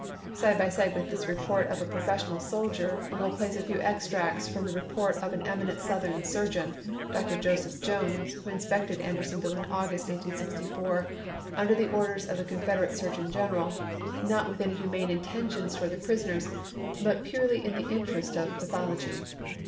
Side by side with this report of a professional soldier, we will place a few extracts from the report of an eminent Southern surgeon, Dr. Joseph Jones, who inspected Andersonville in August, 1864, under the orders of the Confederate surgeon general, not with any humane intention towards the prisoners, but purely in the interest of pathol ogy.